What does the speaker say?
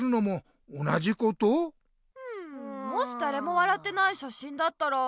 んもしだれも笑ってないしゃしんだったら。